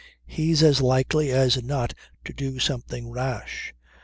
He's as likely as not to do something rash.